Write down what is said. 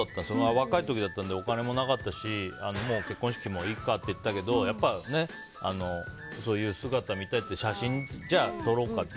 若い時だったのでお金もなかったしもう結婚式もいいかって言ってたけどやっぱりそういう姿を見たいって写真撮ろうかみたいな。